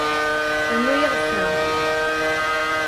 Rnu-aɣ-d kra